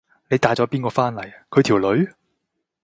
你帶咗邊個返嚟？佢條女？